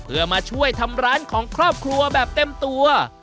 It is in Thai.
เพื่อมาช่วยทำร้านของครอบครัวแบบเต็มตัว